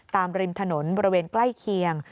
ริมถนนบริเวณใกล้เคียง